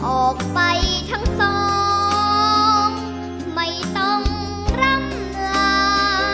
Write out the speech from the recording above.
ออกไปทั้งสองไม่ต้องร่ำลา